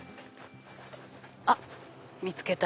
あっ見つけた！